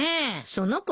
その子